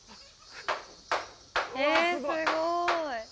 えっすごい！